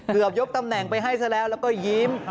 ยกตำแหน่งไปให้ซะแล้วแล้วก็ยิ้ม